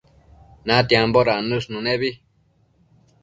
natiambo dannësh nënebi